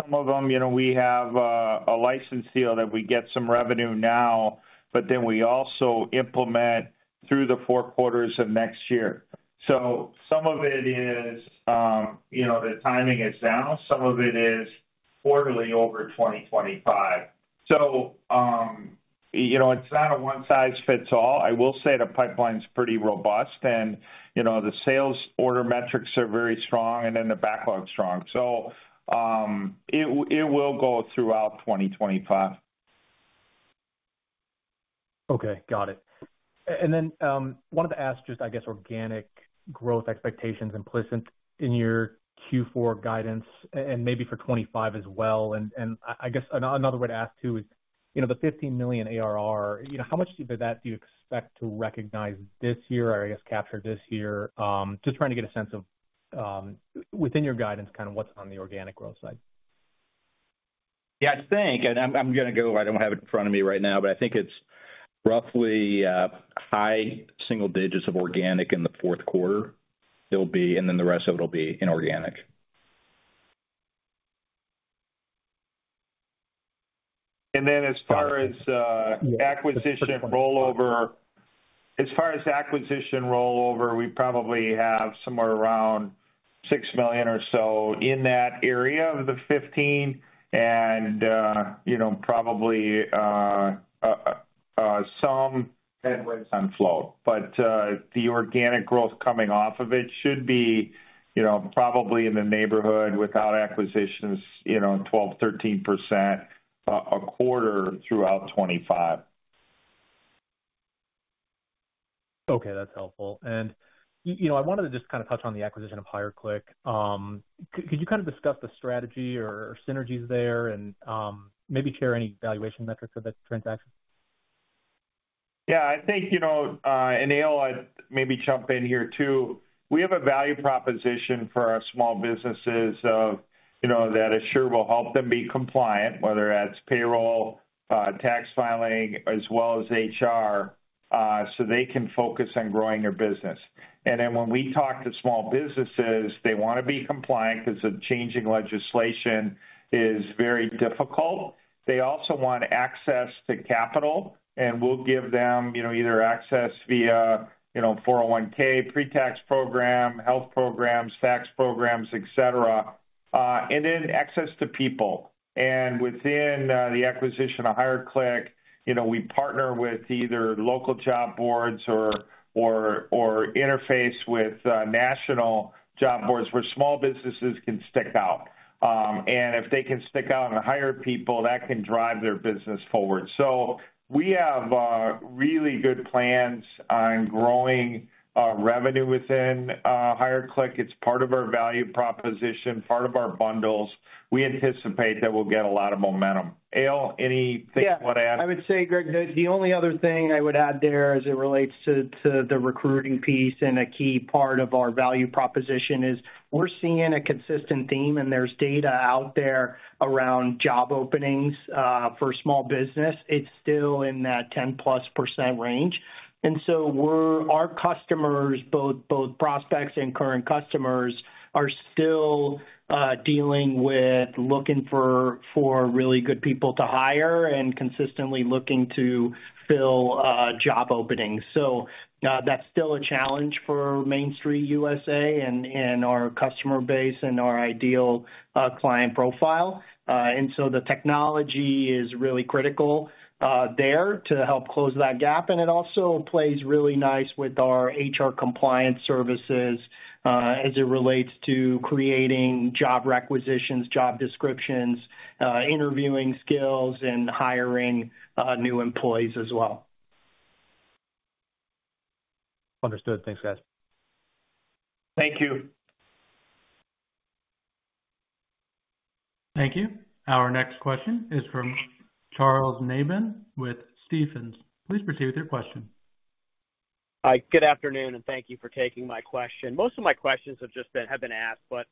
Some of them, we have a license deal that we get some revenue now, but then we also implement through the four quarters of next year. So some of it is the timing is now. Some of it is quarterly over 2025. So it's not a one-size-fits-all. I will say the pipeline is pretty robust, and the sales order metrics are very strong, and then the backlog is strong. So it will go throughout 2025. Okay. Got it. And then wanted to ask just, I guess, organic growth expectations implicit in your Q4 guidance and maybe for 2025 as well. And I guess another way to ask too is the $15 million ARR, how much of that do you expect to recognize this year or, I guess, capture this year? Just trying to get a sense of, within your guidance, kind of what's on the organic growth side. Yeah, I think, and I'm going to go I don't have it in front of me right now, but I think it's roughly high single digits of organic in the fourth quarter. It'll be, and then the rest of it will be inorganic. And then as far as acquisition rollover, we probably have somewhere around $6 million or so in that area of the $15 million and probably some headwinds on float. But the organic growth coming off of it should be probably in the neighborhood without acquisitions, 12%-13% a quarter throughout 2025. Okay. That's helpful. And I wanted to just kind of touch on the acquisition of HireClick. Could you kind of discuss the strategy or synergies there and maybe share any valuation metrics of that transaction? Yeah. I think, and Eyal maybe jump in here too, we have a value proposition for our small businesses that Asure will help them be compliant, whether that's payroll, tax filing, as well as HR, so they can focus on growing their business. And then when we talk to small businesses, they want to be compliant because the changing legislation is very difficult. They also want access to capital, and we'll give them either access via 401(k), pre-tax program, health programs, tax programs, etc., and then access to people. And within the acquisition of HireClick, we partner with either local job boards or interface with national job boards where small businesses can stand out. And if they can stand out and hire people, that can drive their business forward. So we have really good plans on growing revenue within HireClick. It's part of our value proposition, part of our bundles. We anticipate that we'll get a lot of momentum. Eyal, anything you want to add? Yeah. I would say, Greg, the only other thing I would add there as it relates to the recruiting piece and a key part of our value proposition is we're seeing a consistent theme, and there's data out there around job openings for small business. It's still in that 10-plus % range. And so our customers, both prospects and current customers, are still dealing with looking for really good people to hire and consistently looking to fill job openings. So that's still a challenge for Main Street USA and our customer base and our ideal client profile. And so the technology is really critical there to help close that gap. And it also plays really nice with our HR compliance services as it relates to creating job requisitions, job descriptions, interviewing skills, and hiring new employees as well. Understood. Thanks, guys. Thank you. Thank you. Our next question is from Charles Nabhan with Stephens. Please proceed with your question. Hi. Good afternoon, and thank you for taking my question. Most of my questions have been asked, but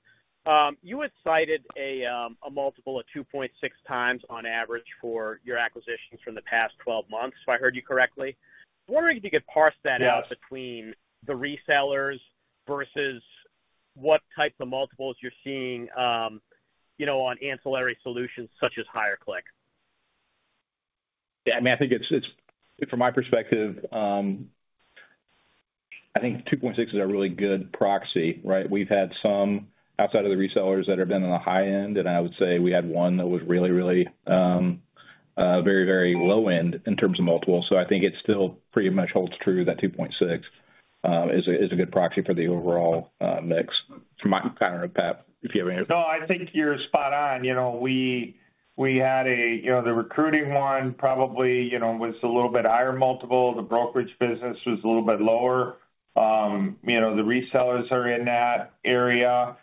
you had cited a multiple of 2.6 times on average for your acquisitions from the past 12 months, if I heard you correctly. I'm wondering if you could parse that out between the resellers versus what types of multiples you're seeing on ancillary solutions such as HireClick. Yeah. I mean, I think from my perspective, I think 2.6 is a really good proxy, right? We've had some outside of the resellers that have been on the high end, and I would say we had one that was really, really very, very low end in terms of multiple. So I think it still pretty much holds true that 2.6 is a good proxy for the overall mix. I'm kind of a Pat. If you have any other questions. No, I think you're spot on. We had the recruiting one probably was a little bit higher multiple. The brokerage business was a little bit lower. The resellers are in that area.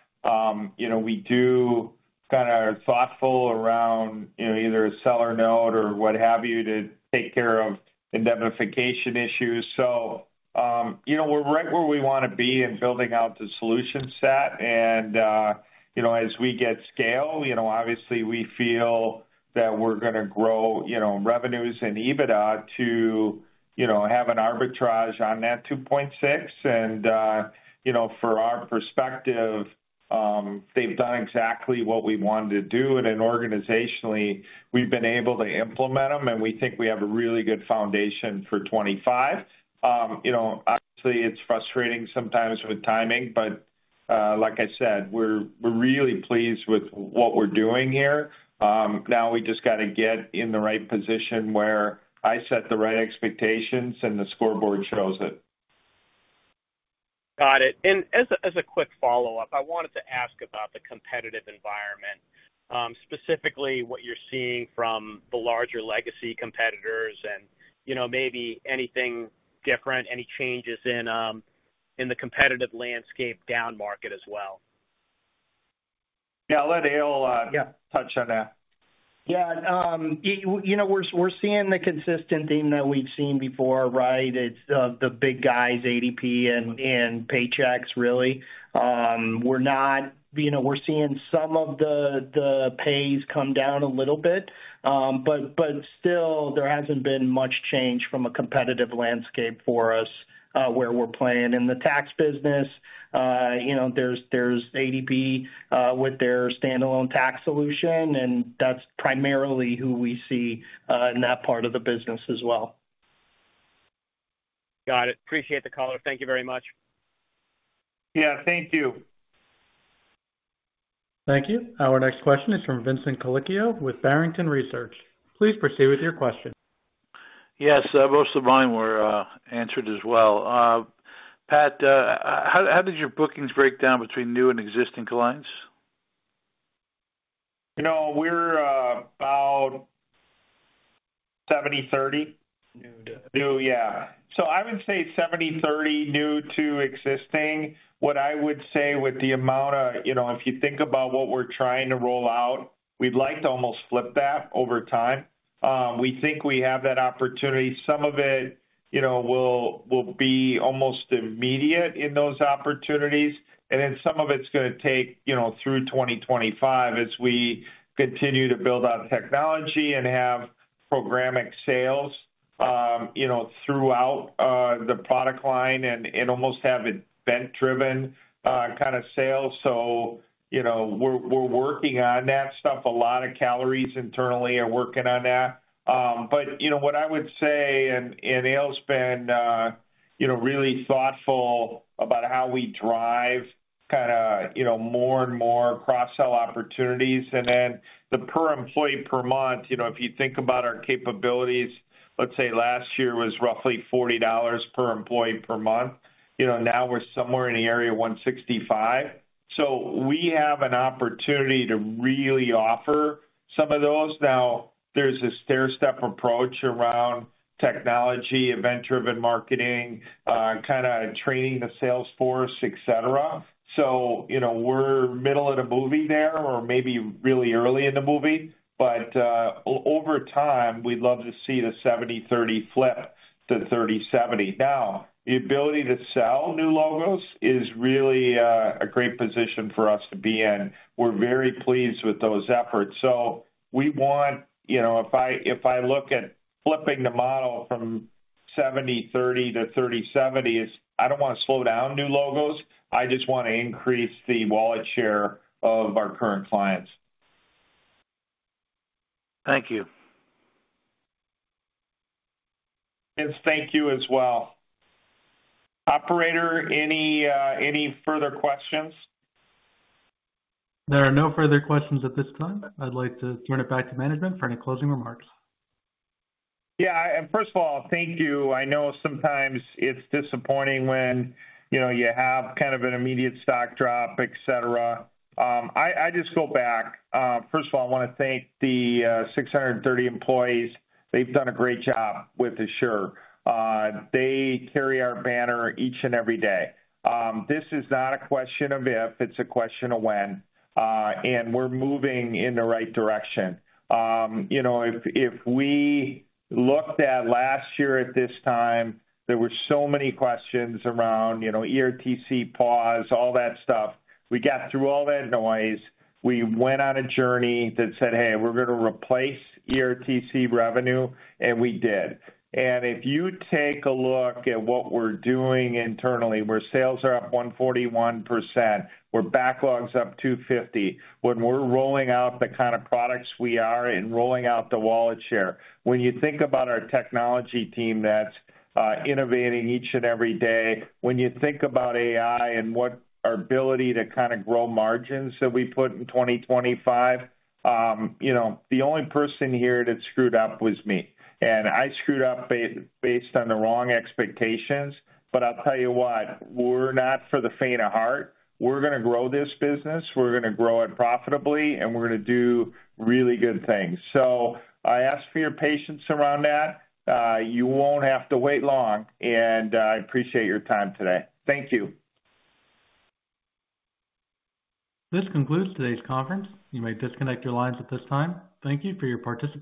We do kind of are thoughtful around either a seller note or what have you to take care of indemnification issues. So we're right where we want to be in building out the solution set, and as we get scale, obviously, we feel that we're going to grow revenues and EBITDA to have an arbitrage on that 2.6, and from our perspective, they've done exactly what we wanted to do, and then organizationally, we've been able to implement them, and we think we have a really good foundation for 2025. Obviously, it's frustrating sometimes with timing, but like I said, we're really pleased with what we're doing here. Now we just got to get in the right position where I set the right expectations, and the scoreboard shows it. Got it. And as a quick follow-up, I wanted to ask about the competitive environment, specifically what you're seeing from the larger legacy competitors and maybe anything different, any changes in the competitive landscape down market as well? Yeah. I'll let Eyal touch on that. Yeah. We're seeing the consistent theme that we've seen before, right? It's the big guys, ADP and Paychex, really. We're seeing some of the Pays come down a little bit, but still, there hasn't been much change from a competitive landscape for us where we're playing. In the tax business, there's ADP with their standalone tax solution, and that's primarily who we see in that part of the business as well. Got it. Appreciate the caller. Thank you very much. Yeah. Thank you. Thank you. Our next question is from Vincent Colicchio with Barrington Research. Please proceed with your question. Yes. Most of mine were answered as well. Pat, how did your bookings break down between new and existing clients? We're about 70/30. New to. New, yeah. So I would say 70/30 new to existing. What I would say with the amount of if you think about what we're trying to roll out, we'd like to almost flip that over time. We think we have that opportunity. Some of it will be almost immediate in those opportunities, and then some of it's going to take through 2025 as we continue to build out technology and have programming sales throughout the product line and almost have event-driven kind of sales. So we're working on that stuff. A lot of colleagues internally are working on that. But what I would say, and Eyal's been really thoughtful about how we drive kind of more and more cross-sell opportunities. And then the per employee per month, if you think about our capabilities, let's say last year was roughly $40 per employee per month. Now, we're somewhere in the area of 165. So we have an opportunity to really offer some of those. Now, there's a stair-step approach around technology, event-driven marketing, kind of training the sales force, etc. So we're middle of the movie there or maybe really early in the movie. But over time, we'd love to see the 70/30 flip to 30/70. Now, the ability to sell new logos is really a great position for us to be in. We're very pleased with those efforts. So we want if I look at flipping the model from 70/30 to 30/70, I don't want to slow down new logos. I just want to increase the wallet share of our current clients. Thank you. Vince, thank you as well. Operator, any further questions? There are no further questions at this time. I'd like to turn it back to management for any closing remarks. Yeah. And first of all, thank you. I know sometimes it's disappointing when you have kind of an immediate stock drop, etc. I just go back. First of all, I want to thank the 630 employees. They've done a great job with Asure. They carry our banner each and every day. This is not a question of if. It's a question of when. And we're moving in the right direction. If we looked at last year at this time, there were so many questions around ERTC pause, all that stuff. We got through all that noise. We went on a journey that said, "Hey, we're going to replace ERTC revenue," and we did. And if you take a look at what we're doing internally, where sales are up 141%, where backlog's up 250%, when we're rolling out the kind of products we are and rolling out the wallet share, when you think about our technology team that's innovating each and every day, when you think about AI and what our ability to kind of grow margins that we put in 2025, the only person here that screwed up was me. And I screwed up based on the wrong expectations. But I'll tell you what, we're not for the faint of heart. We're going to grow this business. We're going to grow it profitably, and we're going to do really good things. So I ask for your patience around that. You won't have to wait long. And I appreciate your time today. Thank you. This concludes today's conference. You may disconnect your lines at this time. Thank you for your participation.